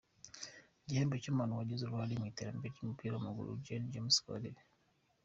Igihembo cy’umuntu wagize uruhare mu iterambere ry’umupira w’amaguru: Gen James Kabarebe.